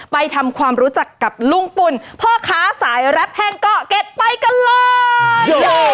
ไปทำความรู้จักกับลุงปุ่นพ่อค้าสายแรปแห้งเกาะเก็ตไปกันเลย